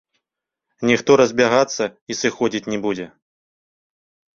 Ніхто разбягацца і сыходзіць не будзе.